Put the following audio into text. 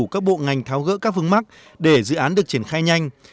các bộ ngành tháo gỡ các vướng mắc để dự án được triển khai nhanh